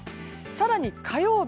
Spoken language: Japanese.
更に、火曜日